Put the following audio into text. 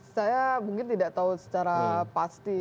saya mungkin tidak tahu secara pasti